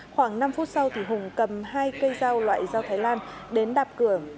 khoảng năm phút sau thì hùng cầm hai cây dao loại dao thái lan đến đạp cửa